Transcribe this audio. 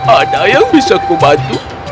ada yang bisa kubantu